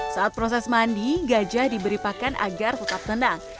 saat proses mandi gajah diberi pakan agar tetap tenang